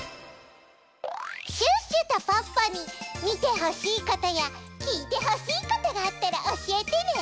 シュッシュとポッポにみてほしいことやきいてほしいことがあったらおしえてね！